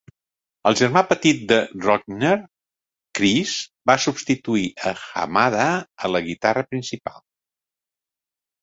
El germà petit de Rogner, Chris, va substituir a Hamada a la guitarra principal.